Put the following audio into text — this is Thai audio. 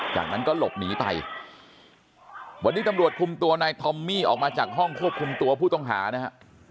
จากนั้นก็หลบหนีไปวันนี้ตำรวจคุมตัวนายทอมมี่ออกมาจากห้องควบคุมตัวผู้ต้องหานะฮะ